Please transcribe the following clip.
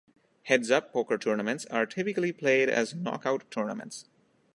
Heads up poker tournaments are typically played as knock-out tournaments.